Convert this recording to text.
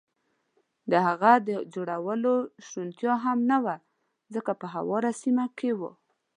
د هغه د جوړولو شونتیا هم نه وه، ځکه په هواره سیمه کې و.